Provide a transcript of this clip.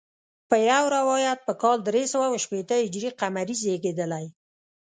په یو روایت په کال درې سوه شپېته هجري قمري زیږېدلی.